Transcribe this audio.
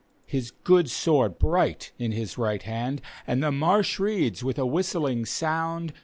His good sword bright in his right hand, And the marsh reeds with a whistling sound.